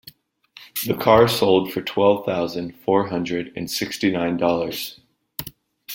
The car sold for twelve thousand four hundred and sixty nine dollars.